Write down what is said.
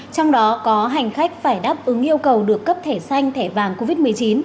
trong đó có hành khách phải đáp ứng yêu cầu được cấp thẻ xanh thẻ vàng covid một mươi chín